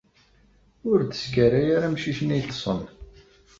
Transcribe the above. Ur d-sekkaray ara amcic-nni yeṭsen.